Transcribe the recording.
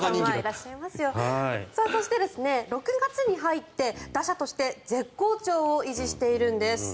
そして６月に入って打者として絶好調を維持しているんです。